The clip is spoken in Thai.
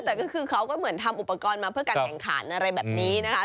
แต่ก็คือเขาก็เหมือนทำอุปกรณ์มาเพื่อการแข่งขันอะไรแบบนี้นะคะ